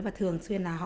và thường xuyên là họ